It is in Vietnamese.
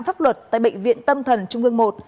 pháp luật tại bệnh viện tâm thần trung ương một